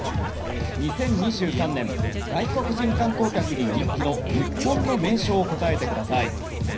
２０２３年外国人観光客に人気の日本の名所を答えてください。